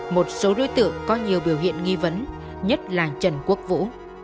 một số đối tượng có nhiều biểu hiện nghi vấn nhất là trần quốc vũ